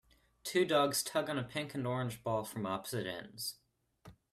Two dogs tug on a pink and orange ball from opposite ends.